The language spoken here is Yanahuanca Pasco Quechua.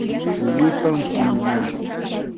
wiyupam pununaa.